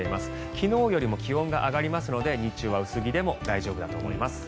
昨日よりも気温が上がりますので日中は薄着でも大丈夫だと思います。